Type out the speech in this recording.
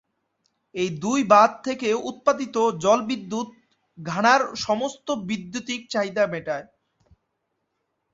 এই দুই বাঁধ থেকে উৎপাদিত জলবিদ্যুৎ ঘানার সমস্ত বৈদ্যুতিক চাহিদা মেটায়।